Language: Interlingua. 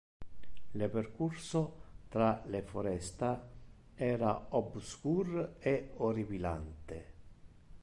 Le percurso tra le foresta era obscur e horripilante.